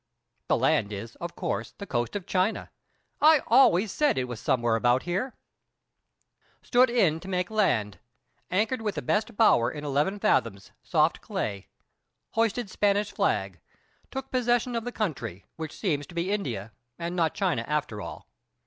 The land is, of course, the coast of China. I always said it was somewhere about here. Stood in to make the land. Anchored with the best bower in eleven fathoms, soft clay. Hoisted Spanish flag; took possession of the country, which seems to be India, and not China, after all.